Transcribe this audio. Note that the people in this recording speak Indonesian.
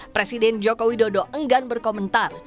presiden jokowi dodo enggan berkomentar